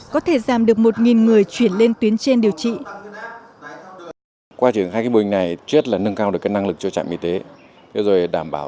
có thể giảm được một người chuyển lên tuyến trên điều trị